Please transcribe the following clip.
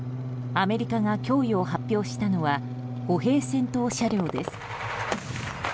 アメリカが供与を発表したのは歩兵戦闘車両です。